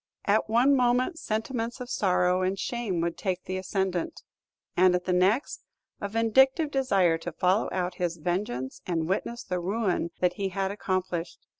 At one moment, sentiments of sorrow and shame would take the ascendant; and at the next, a vindictive desire to follow out his vengeance and witness the ruin that he had accomplished.